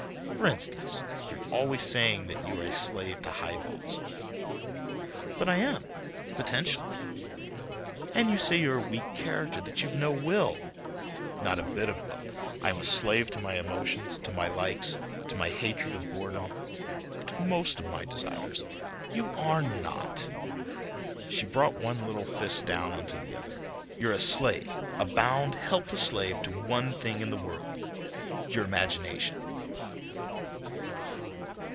For instance, you're always saying that you are a slave to high balls." "But I am, potentially." "And you say you're a weak character, that you've no will." "Not a bit of will—I'm a slave to my emotions, to my likes, to my hatred of boredom, to most of my desires—" "You are not!" She brought one little fist down onto the other. "You're a slave, a bound helpless slave to one thing in the world, your imagination."